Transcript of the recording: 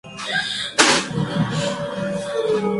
Fue experto en ammonites del periodo Cretácico inferior.